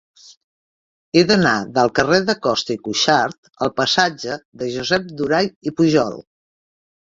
He d'anar del carrer de Costa i Cuxart al passatge de Josep Durall i Pujol.